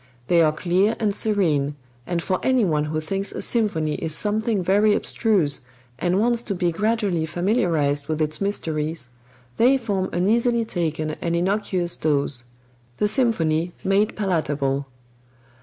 They are clear and serene, and for any one who thinks a symphony is something very abstruse and wants to be gradually familiarized with its mysteries, they form an easily taken and innocuous dose the symphony made palatable.